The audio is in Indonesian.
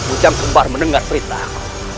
kujang kembar mendengar perintah